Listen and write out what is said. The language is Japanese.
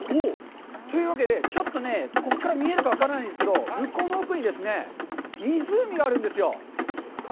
というわけで、ちょっとね、ここから見えるか分からないんですが、向こうの奥に湖があるんですよ。